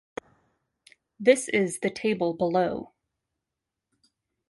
This is the table below.